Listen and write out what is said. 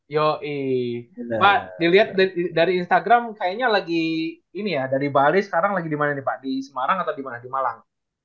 yoi pak diliat dari instagram kayaknya lagi ini ya dari bali sekarang lagi dimana nih pak di semarang atau dimana di malang